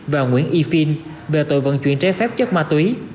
và nguyễn y phiên về tội vận chuyển trái phép chất ma túy